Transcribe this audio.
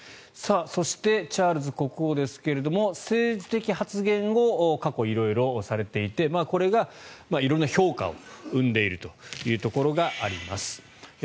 そして、チャールズ国王ですが政治的発言を過去色々されていてこれが色んな評価を生んでいるというところがあります。